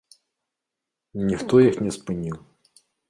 Ніхто іх не спыніў.